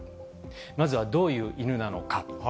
まずはどういう犬なのか。